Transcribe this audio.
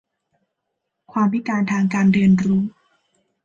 ความพิการทางการเรียนรู้